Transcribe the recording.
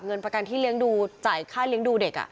เงินประกันที่เลี้ยงดูจ่ายค่าเลี้ยงดูเด็ก